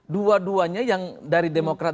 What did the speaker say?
dua duanya yang dari demokrat